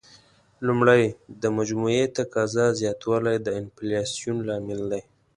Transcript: لومړی: د مجموعي تقاضا زیاتوالی د انفلاسیون لامل دی.